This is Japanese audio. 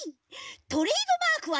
トレードマークは。